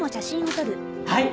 はい。